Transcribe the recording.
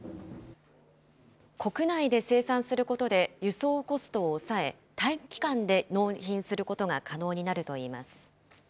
国内で生産することで輸送コストを抑え、短期間で納品することが可能になるといいます。